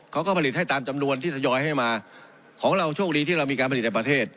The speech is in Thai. เขาก็ผลิตให้ตามจำนวนที่ทยอยให้มาของเราโชคดีที่เรามีการผลิตในประเทศ